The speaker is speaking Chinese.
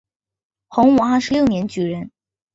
洪武二十六年举人。